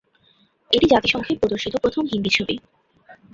এটি জাতিসংঘে প্রদর্শিত প্রথম হিন্দি ছবি।